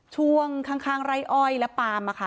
ช่วงข้างไร่อ้อยและปาล์มค่ะ